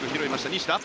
西田。